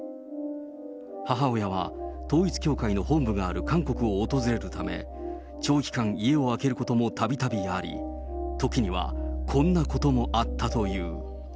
母親は統一教会の本部がある韓国を訪れるため、長期間、家を空けることも度々あり、時には、こんなこともあったという。